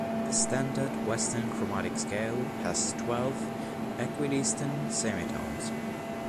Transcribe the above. The standard Western chromatic scale has twelve equidistant semitones.